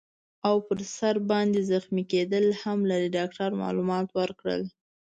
او پر سر باندي زخمي کیدل هم لري. ډاکټر معلومات ورکړل.